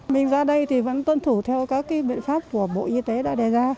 mình ra đây thì vẫn tuân thủ theo các biện pháp của bộ y tế đã đề ra